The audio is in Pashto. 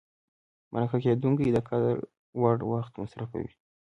مرکه کېدونکی د قدر وړ وخت مصرفوي.